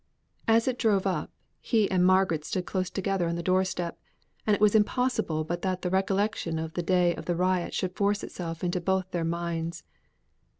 As it drove up, he and Margaret stood close together on the door step, and it was impossible but that the recollection of the day of the riot should force itself into both their minds.